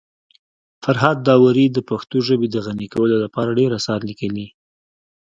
فرهاد داوري د پښتو ژبي د غني کولو لپاره ډير اثار لیکلي دي.